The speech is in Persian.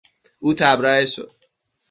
او تبرئه شد.